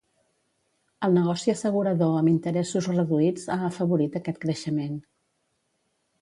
El negoci assegurador amb interessos reduïts ha afavorit aquest creixement.